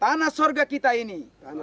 tanah sorga kita ini